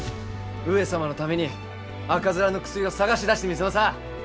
上様のために赤面の薬を探し出してみせまさぁ！